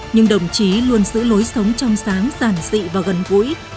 nhưng đồng chí luôn giữ lối sống trong sáng giản dị và gần gũi